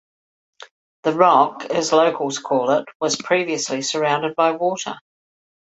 The Rock, as locals call it, was previously surrounded by water.